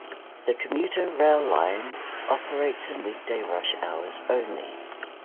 The commuter rail line operates in weekday rush hours only.